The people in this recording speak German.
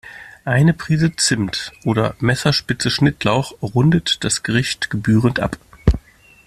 Eine Prise Zimt oder Messerspitze Schnittlauch rundet das Gericht gebührend ab.